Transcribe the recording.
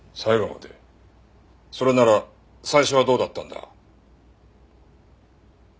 それなら最初はどうだったんだ？